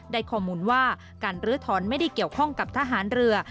ได้ข้อมูลว่าการลื้อถอนไม่ได้เกี่ยวข้องกับทหารเรือ